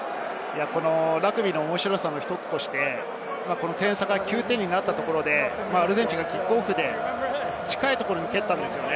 ラグビーの面白さの１つとして、点差が９点になったところでは、アルゼンチンがキックオフで近いところに蹴ったんです。